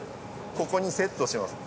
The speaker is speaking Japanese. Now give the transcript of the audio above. ここにセットします。